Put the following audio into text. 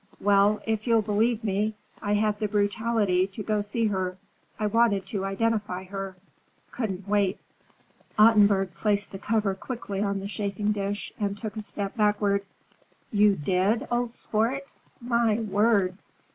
"Well, if you'll believe me, I had the brutality to go to see her. I wanted to identify her. Couldn't wait." Ottenburg placed the cover quickly on the chafing dish and took a step backward. "You did, old sport? My word!